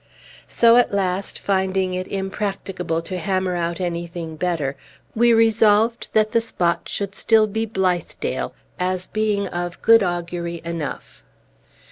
So, at last, finding it impracticable to hammer out anything better, we resolved that the spot should still be Blithedale, as being of good augury enough.